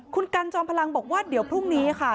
คุณกันจอมพลังบอกว่าเดี๋ยวพรุ่งนี้ค่ะ